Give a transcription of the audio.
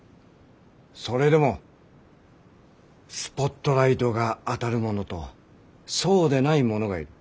それでもスポットライトが当たる者とそうでない者がいる。